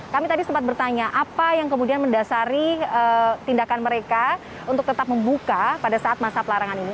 kami tadi sempat bertanya apa yang kemudian mendasari tindakan mereka untuk tetap membuka pada saat masa pelarangan ini